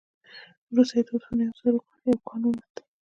وروسته يې د اوسپنې او زرو يو کان وموند.